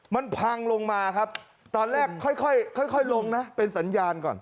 มันพังลงมาครับตอนแรกค่อยลงนะเป็นสัญญาณก่อน